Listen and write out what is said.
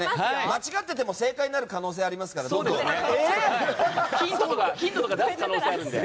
間違ってても正解になる可能性がありますからね。